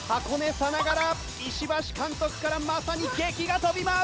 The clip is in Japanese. さながら石橋監督からまさにげきが飛びます！